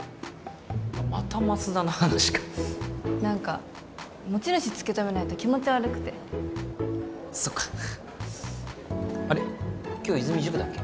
またマスダの話か何か持ち主突き止めないと気持ち悪くてそっかあれ今日泉塾だっけ？